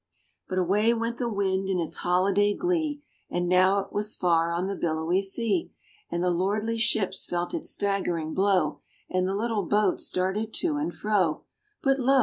But away went the wind in its holiday glee, And now it was far on the billowy sea, And the lordly ships felt its staggering blow, And the little boats darted to and fro. But lo!